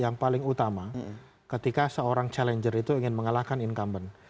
yang paling utama ketika seorang challenger itu ingin mengalahkan incumbent